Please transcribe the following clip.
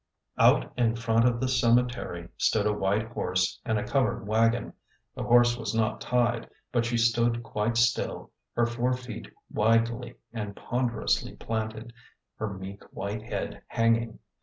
OUT in front of the cemetery stood a white horse and a covered wagon. The horse was not tied, but she stood quite still, her four feet widely and ponderously planted, her meek white head hanging.